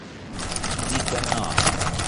метро